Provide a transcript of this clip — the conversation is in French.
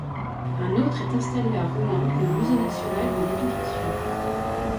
Un autre est installé à Rouen, le Musée national de l'Éducation.